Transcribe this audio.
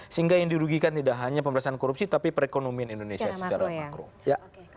sehingga yang dirugikan tidak hanya pemerintahan korupsi tapi perekonomian indonesia secara makro